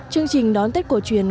chương trình đón tết cổ truyền